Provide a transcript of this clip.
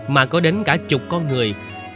mà có đến cả chục con người